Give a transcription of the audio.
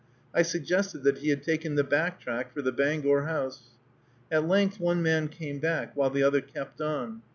I suggested that he had taken the back track for the Bangor House. At length one man came back, while the other kept on.